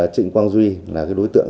trịnh quang duy là đối tượng